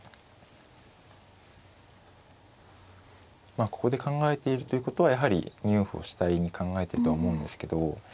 まあここで考えているということはやはり２四歩を主体に考えてるとは思うんですけど。